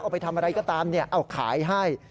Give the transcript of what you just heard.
ไปทำอะไรก็ตามเอาขายให้